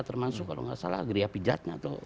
termasuk kalau tidak salah griapijatnya tuh